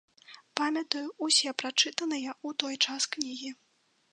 Памятаю ўсе прачытаныя ў той час кнігі.